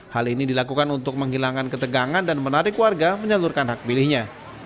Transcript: hal ini dilakukan untuk menghilangkan ketegangan dan menarik warga menyalurkan hak pilihnya